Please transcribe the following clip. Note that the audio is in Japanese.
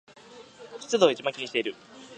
湿度を一番気にしている